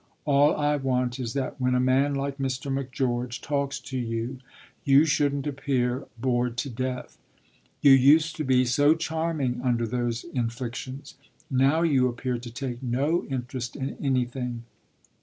"All I want is that when a man like Mr. Macgeorge talks to you you shouldn't appear bored to death. You used to be so charming under those inflictions. Now you appear to take no interest in anything.